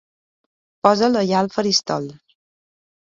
Posa'l allà al faristol.